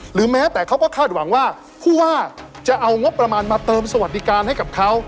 แม้แต่เขาก็คาดหวังว่าผู้ว่าจะเอางบประมาณมาเติมสวัสดิการให้กับเขา